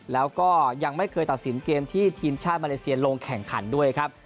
แล้วก็ยังไม่เคยตัดสินเกมที่ทีมชาติมาเลเซียลงแข่งขันด้วยครับ